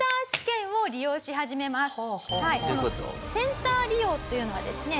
センター利用というのはですね